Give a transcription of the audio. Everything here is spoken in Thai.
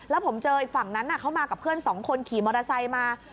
แล้วผมเจออีกฝั่งนั้นเขามากับเพื่อนสองคนขี่มอเตอร์ไซค์มา